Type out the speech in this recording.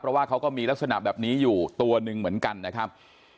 เพราะว่าเขาก็มีลักษณะแบบนี้อยู่ตัวหนึ่งเหมือนกันนะครับ